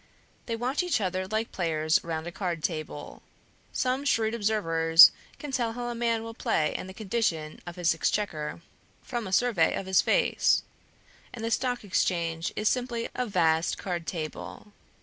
They watch each other like players round a card table. Some shrewd observers can tell how a man will play and the condition of his exchequer from a survey of his face; and the Stock Exchange is simply a vast card table.